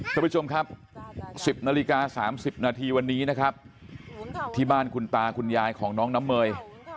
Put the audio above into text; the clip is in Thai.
คุณผู้ชมครับ๑๐นาฬิกา๓๐นาทีวันนี้นะครับที่บ้านคุณตาคุณยายของน้องน้ำเมย